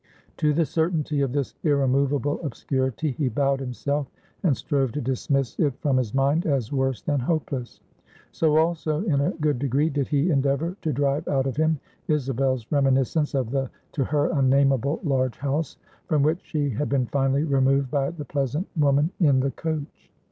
To the certainty of this irremovable obscurity he bowed himself, and strove to dismiss it from his mind, as worse than hopeless. So, also, in a good degree, did he endeavor to drive out of him, Isabel's reminiscence of the, to her, unnameable large house, from which she had been finally removed by the pleasant woman in the coach.